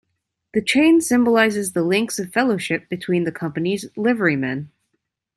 The chain symbolises the links of fellowship between the Company's liverymen.